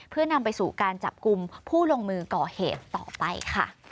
เพื่อนำไปสู่การจับกลุ่มผู้ลงมือก่อเหตุต่อไปค่ะ